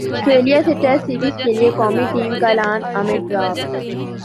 سٹریلیا سے test series کیلئے قومی ٹیم کا اعلان عامر ڈراپ